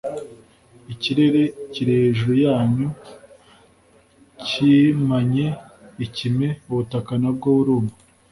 Ikirere kiri hejuru yanyu cyimanye ikime ubutaka na bwo buruma